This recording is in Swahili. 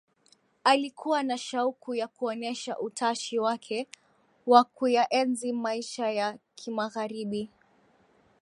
Alikua na shauku ya kuonesha utashi wake wa kuyaenzi maisha ya kimagharibi